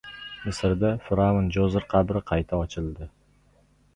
Misrda fir’avn Joser qabri qayta ochildi